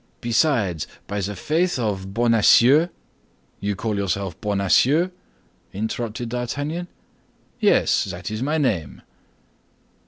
"Besides, by the faith of Bonacieux—" "You call yourself Bonacieux?" interrupted D'Artagnan. "Yes, that is my name."